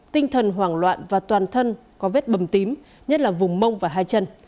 tinh thần hoảng loạn và toàn thân có vết bầm tím nhất là vùng mông và hai chân